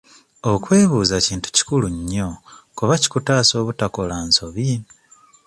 Okwebuuza kintu kikulu nnyo kuba kikutaasa obutakola nsobi.